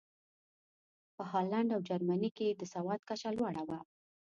په هالنډ او جرمني کې د سواد کچه لوړه وه.